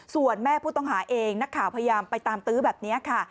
ส่วนแม่ผู้ต้องหาเองนักข่าวพยายามไปตามตื้อแบบนี้ค่ะ